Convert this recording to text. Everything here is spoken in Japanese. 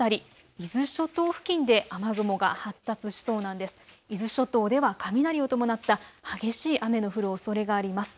伊豆諸島では雷を伴った激しい雨の降るおそれがあります。